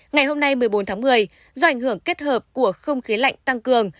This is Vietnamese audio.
ngày hôm nay một mươi bốn tháng một mươi do ảnh hưởng kết hợp của không khí lạnh tăng cường